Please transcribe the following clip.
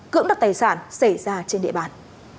cưỡng đặt tài sản xảy ra trên địa bàn